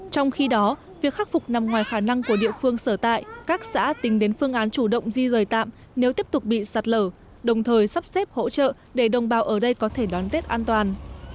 trong khi đó việc khắc phục nằm ngoài khả năng của địa phương sở tại các xã tính đến phương án chủ động di rời tạm nếu tiếp tục bị sạt lở đồng thời sắp xếp hỗ trợ để đồng bào ở đây có thể đón tết an toàn